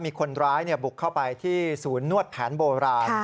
มีคนร้ายบุกเข้าไปที่ศูนย์นวดแผนโบราณ